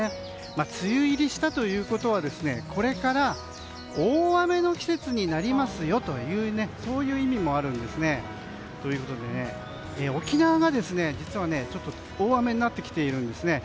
梅雨入りしたということはこれから大雨の季節になりますよというそういう意味もあるんですね。ということで、沖縄が実はちょっと大雨になってきているんですね。